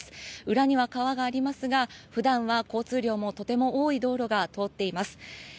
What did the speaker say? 裏には川がありますが普段は交通量がとても多い道路が通っています。